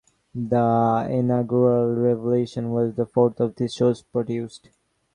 The inaugural Revolution was the fourth of these shows produced.